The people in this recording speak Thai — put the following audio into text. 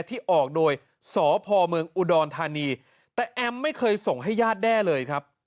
ที่ออกโดยสพเมืองอุดรธานีแต่แอมไม่เคยส่งให้ญาติแด้เลยครับ